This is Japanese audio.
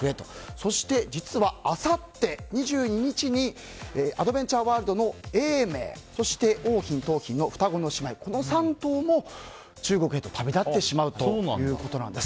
そして実は、あさって２２日にアドベンチャーワールドの永明そして桜浜、桃浜の双子の姉妹この３頭も中国へと旅立ってしまうということです。